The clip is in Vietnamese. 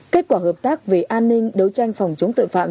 kết quả hợp tác về an ninh đấu tranh phòng chống tội phạm